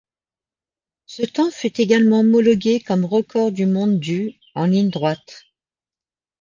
Ce temps fut également homologué comme record du monde du en ligne droite.